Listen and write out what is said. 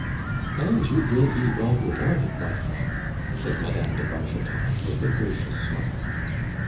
"And you will be well rewarded, my friend," said Mme. de Bargeton, with a gracious smile.